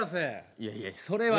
いやいやそれは。